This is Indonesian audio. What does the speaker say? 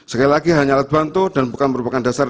sekali lagi hanya alat bantu dan bukan merupakan dasar